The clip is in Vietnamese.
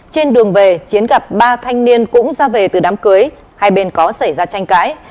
trên đường về chiến gặp ba thanh niên cũng ra về từ đám cưới hai bên có xảy ra tranh cãi